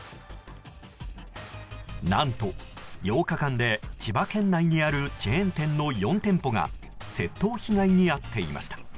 何と８日間で千葉県内にあるチェーン店の４店舗が窃盗被害に遭っていました。